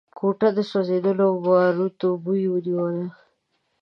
کوټه د سوځېدلو باروتو بوی ونيوله.